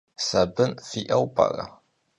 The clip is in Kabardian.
Sabın fi'eu p'ere?